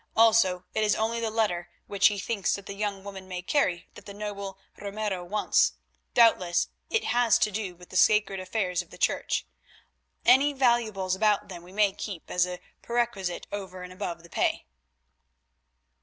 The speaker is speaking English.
Also it is only the letter which he thinks that the young woman may carry that the noble Ramiro wants. Doubtless it has to do with the sacred affairs of the Church. Any valuables about them we may keep as a perquisite over and above the pay."